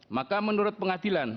maka menurut pengadilan